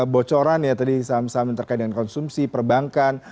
bocoran ya tadi saham saham yang terkait dengan konsumsi perbankan